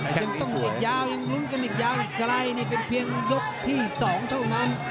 ยังต้องอีกยาวยังลุ้นกันอีกยาวอีกไกลนี่เป็นเพียงยกที่๒เท่านั้น